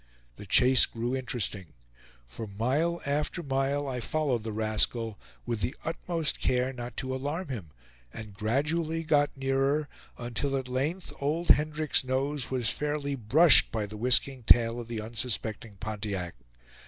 The chase grew interesting. For mile after mile I followed the rascal, with the utmost care not to alarm him, and gradually got nearer, until at length old Hendrick's nose was fairly brushed by the whisking tail of the unsuspecting Pontiac.